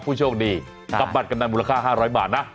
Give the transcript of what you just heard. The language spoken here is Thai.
ผู้โชคดีกับบัตรกำนันมูลค่า๕๐๐บาทนะ